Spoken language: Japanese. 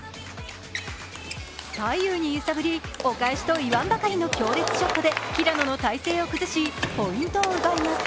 左右に揺さぶり、お返しといわんばかりの強烈ショットで平野の体勢を崩しポイントを奪います。